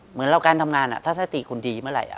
เหมือนแล้วการทำงานทัศนคุณดีเมื่อไหร่